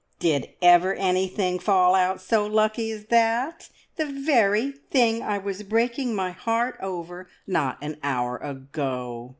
"Did ever anything fall out so lucky as that? The very thing I was breaking my heart over not an hour ago.